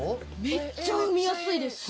めっちゃ踏みやすいです。